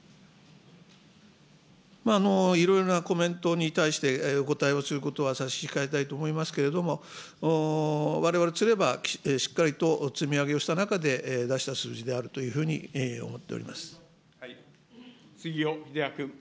いろいろなコメントに対して、お答えをすることは差し控えたいと思いますけれども、われわれとすれば、しっかりと積み上げをした中で出した数字であるというふうに思っ杉尾秀哉君。